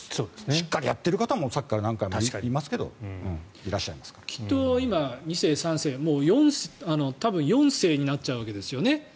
しっかりやっている方もさっきから何回も言いますがきっと今、２世、３世多分４世になっちゃうわけですよね